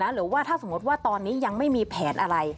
หรือว่าถ้าสมมติว่าตอนนี้ยังไม่มีแผนอะไร